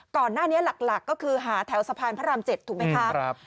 ก่อนหน้านี้หลักก็คือหาแถวสะพานพระราม๗ถูกไหมคะ